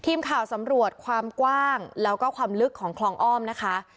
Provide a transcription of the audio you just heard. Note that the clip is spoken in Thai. ทีมข่าวสำรวจความกว้างแล้วก็ความลึกของคลองอ้อมนะคะ